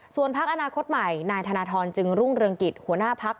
ส่วนพักอนาคตใหม่นายธนทรจึงรุ่งเรืองกิจหัวหน้าพัก